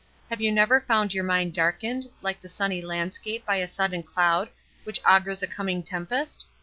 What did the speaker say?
—Have you never found your mind darkened, like the sunny landscape, by the sudden cloud, which augurs a coming tempest?